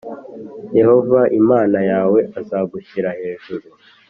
yehova imana yawe azagushyira hejuru